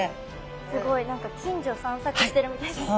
すごい何か近所散策してるみたいですね。